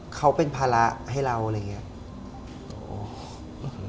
เขาเป็นภาระให้เราอะไรอย่างนี้